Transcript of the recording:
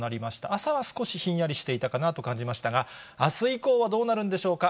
朝は少しひんやりしていたかなと感じましたが、あす以降はどうなるんでしょうか。